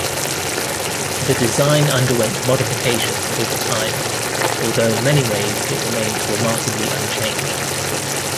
The design underwent modifications over time, although in many ways it remained remarkably unchanged.